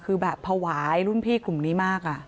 คือแบบภาวะรุ่นพี่กลุ่มนี้มาก